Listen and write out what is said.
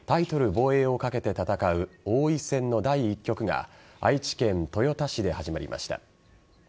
防衛を懸けて戦う王位戦の第１局が愛知県豊田市で始まりました。